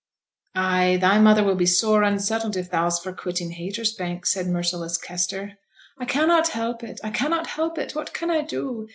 'Ay! thy mother will be sore unsettled if thou's for quitting Haytersbank,' said merciless Kester. 'I cannot help it; I cannot help it! What can I do?